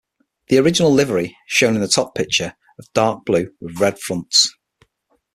The original livery, shown in the top picture, of Dark Blue with Red fronts.